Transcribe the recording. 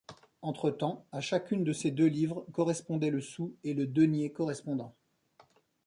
Entretemps, à chacune de ces deux livres, correspondait le sou et le denier correspondants.